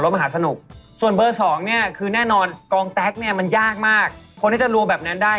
อ๋อมันก็เหมือนตอนที่คุณตีแสนอีกอย่างนี้ถูกไหม